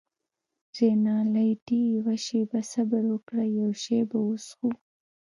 رینالډي: یوه شیبه صبر وکړه، یو شی به وڅښو.